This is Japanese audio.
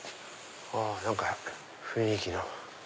何か雰囲気の。